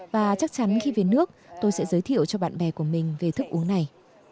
và chắc chắn khi về nước tôi sẽ giới thiệu cho bạn bè của mình về thức uống này